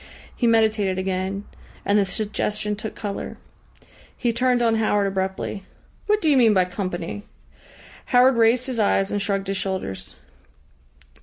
He meditated again, and the suggestion took colour. He turned on Howard abruptly. "What do you mean by company?" Howard raised his eyes and shrugged his shoulders.